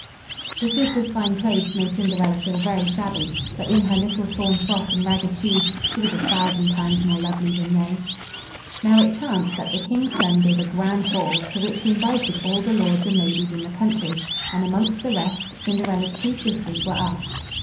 The sisters' fine clothes made Cinderella feel very shabby; but, in her little torn frock and ragged shoes, she was a thousand times more lovely than they. Now, it chanced that the King's son gave a grand ball, to which he invited all the lords and ladies in the country, and, amongst the rest, Cinderella's two sisters were asked.